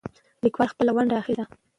لیکوال خپله ونډه اخیستې ده.